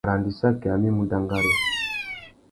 Arandissaki amê i mú dangari.